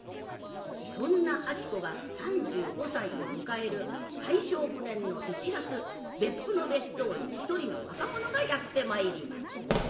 そんな子が３５歳を迎える大正９年の１月別府の別荘に一人の若者がやって参ります。